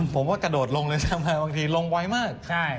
ผมว่ากระโดดลงเลยซะบางทีลงไว้มาก